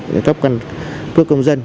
cái cấp căn cứ công dân